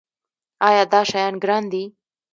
ایا دا شیان ګران دي؟